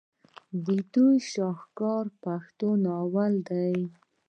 د دوي شاهکار پښتو ناول دے